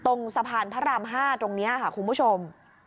ตรงสะพานพระราม๕ตรงนี้ค่ะคุณผู้ชม